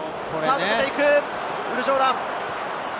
抜けていく、ウィル・ジョーダン！